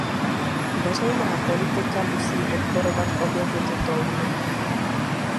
Veřejná politika musí podporovat obě tyto touhy.